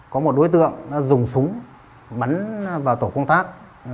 có một đối tượng đã dùng súng bắn vào tổ công tác